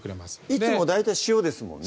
いつも大体塩ですもんね